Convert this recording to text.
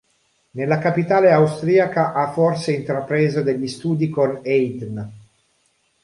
Nella capitale austriaca ha forse intrapreso degli studi con Haydn.